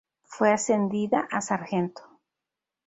Fue ascendida a Sargento.